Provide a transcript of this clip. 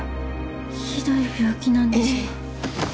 ひどい病気なんでしょ？